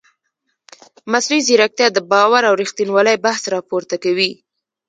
مصنوعي ځیرکتیا د باور او ریښتینولۍ بحث راپورته کوي.